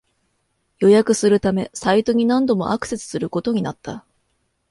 予約するためサイトに何度もアクセスすることになった